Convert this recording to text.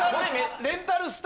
レンタル。